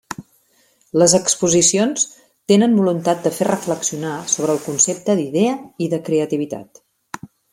Les exposicions tenen voluntat de fer reflexionar sobre el concepte d'idea i de creativitat.